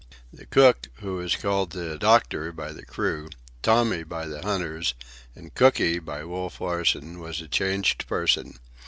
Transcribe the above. The cook, who was called "the doctor" by the crew, "Tommy" by the hunters, and "Cooky" by Wolf Larsen, was a changed person.